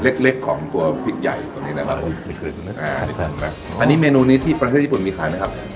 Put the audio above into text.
เล็กเล็กของตัวพริกใหญ่ตัวนี้นะครับอันนี้เมนูนี้ที่ประเทศญี่ปุ่นมีขายไหมครับ